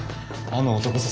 あの男さ